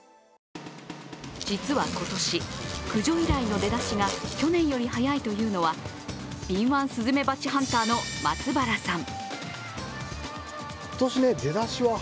実は、今年、駆除依頼の出だしが去年より早いというのは敏腕すずめばちハンターの松原さん。